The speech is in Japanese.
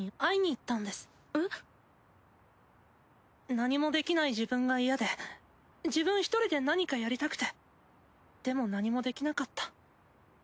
何もできない自分が嫌で自分１人で何かやりたくてでも何もできなかった。